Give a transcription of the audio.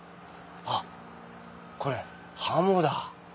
あっこれハモだ。